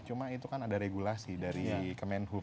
cuma itu kan ada regulasi dari kemenhub